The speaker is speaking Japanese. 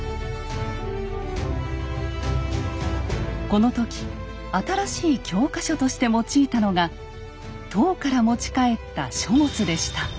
この時新しい教科書として用いたのが唐から持ち帰った書物でした。